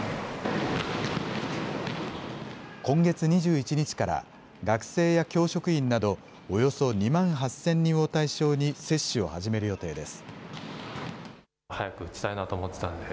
今月２１日から、学生や教職員など、およそ２万８０００人を対象に、接種を始める予定です。